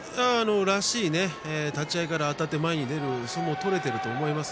らしい立ち合いからあたって前に出る相撲が取れていると思います。